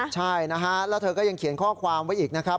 ใช่นะฮะแล้วเธอก็ยังเขียนข้อความไว้อีกนะครับ